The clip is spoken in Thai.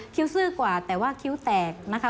ซื่อกว่าแต่ว่าคิ้วแตกนะคะ